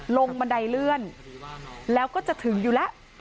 บันไดเลื่อนแล้วก็จะถึงอยู่แล้ว